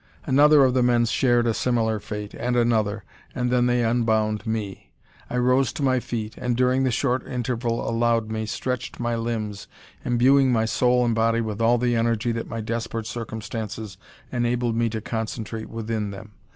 Another of the men shared a similar fate, and another; and then they unbound me. I rose to my feet, and, during the short interval allowed me, stretched my limbs, imbuing my soul and body with all the energy that my desperate circumstances enabled me to concentrate within them.